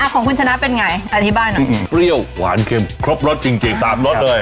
ของคุณชนะเป็นไงอธิบายหน่อยเปรี้ยวหวานเค็มครบรสจริง๓รสเลย